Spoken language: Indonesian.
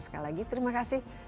sekali lagi terima kasih